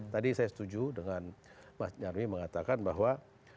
tadi saya setuju dengan mas nyarwi mengatakan bahwa